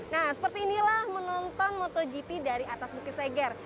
nah seperti inilah menonton motogp dari atas bukit seger